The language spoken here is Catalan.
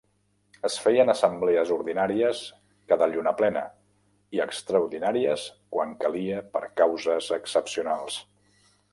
Es feien assemblees ordinàries cada lluna plena, i extraordinàries quan calia per causes excepcionals.